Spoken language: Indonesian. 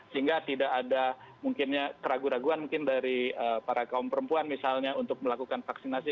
sehingga tidak ada mungkinnya keraguan keraguan mungkin dari para kaum perempuan misalnya untuk melakukan vaksinasi